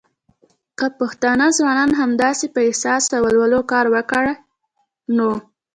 که پښتانه ځوانان همداسې په احساس او ولولو کار وکړی نو